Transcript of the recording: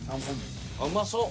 うまそう。